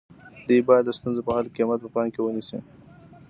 دوی باید د ستونزو په حل کې قیمت په پام کې ونیسي.